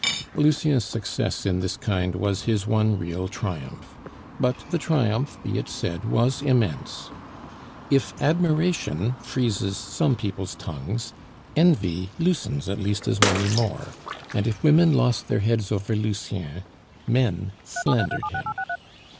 Lucien's success in this kind was his one real triumph; but the triumph, be it said, was immense. If admiration freezes some people's tongues, envy loosens at least as many more, and if women lost their heads over Lucien, men slandered him.